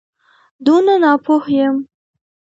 دونه ناپوه یم.